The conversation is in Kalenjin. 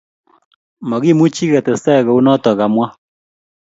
makimuchi ketestai ko u not kamwa